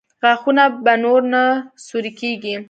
غاښونه به نور نه سوري کېږي؟